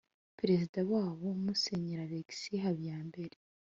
prezida wabo musenyeri alexis habiyambere